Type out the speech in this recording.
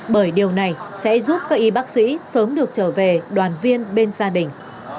bởi điều này sẽ giúp các y bác sĩ sớm được trở về đoàn viên bên gia đình